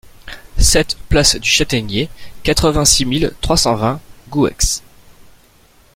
sept place du Chataigner, quatre-vingt-six mille trois cent vingt Gouex